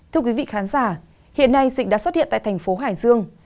thưa quý vị khán giả hiện nay dịch đã xuất hiện tại thành phố hải dương